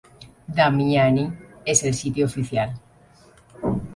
Damiani el sito oficial